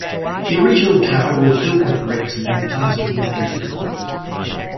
The original tower was built with bricks and then plastered and painted white.